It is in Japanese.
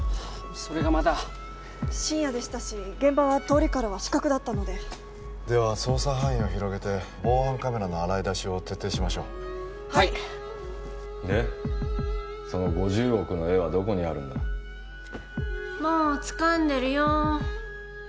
それがまだ深夜でしたし現場は通りからは死角だったのででは捜査範囲を広げて防犯カメラの洗い出しを徹底しましょうはいでその５０億の絵はどこにあるんだもうつかんでるよ